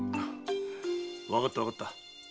わかったわかった。